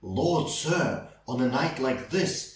Lord, sir! On a night like this!